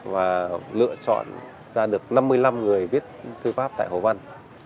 và lựa chọn ra được năm mươi năm người viết thư pháp tại hồ văn